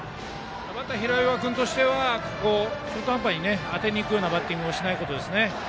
バッター平岩君としては中途半端に当てにいくバッティングをしないことですね。